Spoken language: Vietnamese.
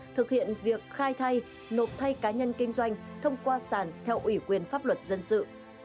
thực hiện việc khai thay nộp thay cá nhân kinh doanh thông qua sản theo ủy quyền pháp luật dân sự